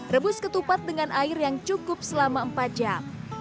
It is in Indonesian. rebus ketupat dengan air yang cukup selama empat jam